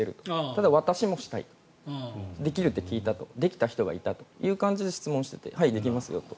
ただ私もしたいできると聞いたとできた人がいたと質問しててはい、できますよと。